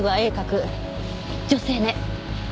女性ね。